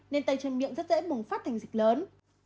nên tay chân miệng rất dễ bùng phát thành dịch lớn